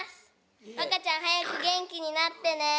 わかちゃん早く元気になってね。